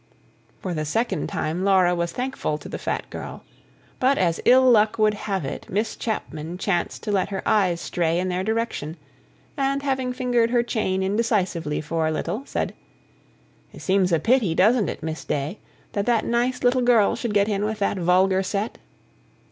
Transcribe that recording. For the second time, Laura was thankful to the fat girl. But as ill luck would have it, Miss Chapman chanced to let her eyes stray in their direction; and having fingered her chain indecisively for a little, said: "It seems a pity, doesn't it, Miss Day, that that nice little girl should get in with that vulgar set?"